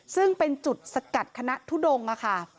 ซึ่งเป็นจุดสกัดคณะทุดงค่ะ